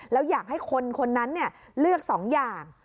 แล้วอยากให้คนคนนั้นเลือก๒อย่าง